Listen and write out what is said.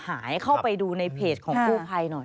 หายเข้าไปดูในเพจของกู้ภัยหน่อย